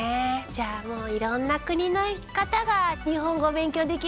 じゃあもういろんな国の方が日本語を勉強できるのね。